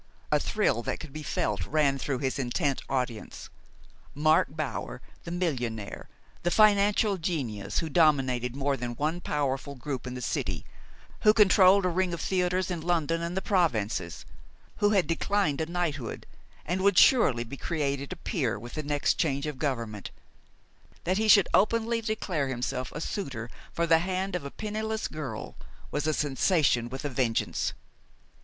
A thrill that could be felt ran through his intent audience. Mark Bower, the millionaire, the financial genius who dominated more than one powerful group in the city, who controlled a ring of theaters in London and the provinces, who had declined a knighthood, and would surely be created a peer with the next change of government, that he should openly declare himself a suitor for the hand of a penniless girl was a sensation with a vengeance.